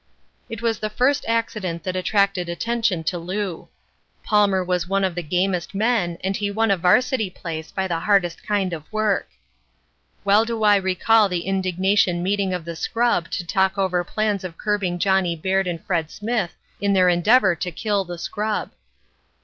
"That was the first accident that attracted attention to Lew. Palmer was one of the gamest men and he won a Varsity place by the hardest kind of work. "Well do I recall the indignation meeting of the scrub to talk over plans of curbing Johnny Baird and Fred Smith in their endeavor to kill the scrub."